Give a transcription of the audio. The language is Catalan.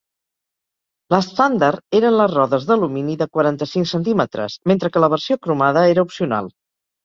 L'estàndard eren les rodes d'alumini de quaranta-cinc centímetres, mentre que la versió cromada era opcional.